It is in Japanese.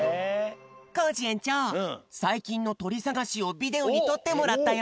コージえんちょうさいきんのとりさがしをビデオにとってもらったよ。